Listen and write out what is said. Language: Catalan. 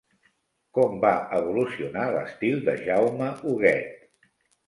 Com va evolucionar l'estil de Jaume Huguet?